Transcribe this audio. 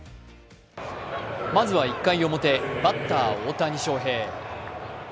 まずは１回表バッター・大谷翔平。